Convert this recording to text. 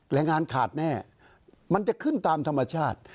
แรงงานขาดแน่มันจะขึ้นตามธรรมชาติ